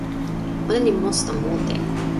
ona li monsuta mute.